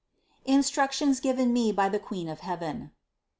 INSTRUCTIONS GIVEN ME BY THE QUEEN OF HEAVEN.